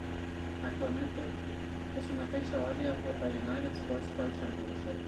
Actualmente, es una fecha válida por la United SportsCar Championship.